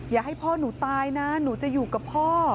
อย่าให้พ่อหนูตายนะหนูจะอยู่กับพ่อ